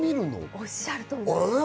おっしゃる通りです。